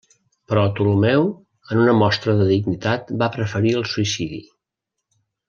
Però Ptolemeu, en una mostra de dignitat, va preferir el suïcidi.